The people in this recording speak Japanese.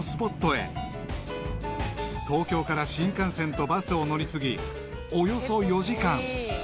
［東京から新幹線とバスを乗り継ぎおよそ４時間］